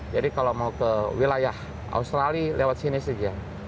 jadi kalau mau ke wilayah australia lewat sini saja